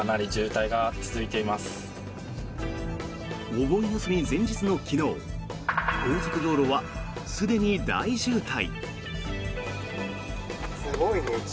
お盆休み前日の昨日高速道路はすでに大渋滞。